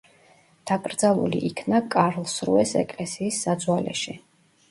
დაკრძალული იქნა კარლსრუეს ეკლესიის საძვალეში.